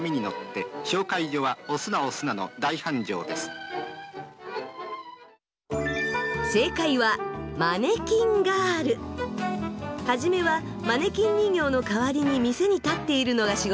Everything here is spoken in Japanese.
初めはマネキン人形の代わりに店に立っているのが仕事でした。